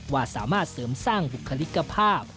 ว่าสามารถเสริมสร้างบุคลิกภาพ